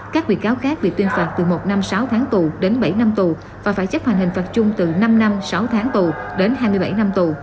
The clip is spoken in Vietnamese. các bị cáo khác bị tuyên phạt từ một năm sáu tháng tù đến bảy năm tù và phải chấp hành hình phạt chung từ năm năm sáu tháng tù đến hai mươi bảy năm tù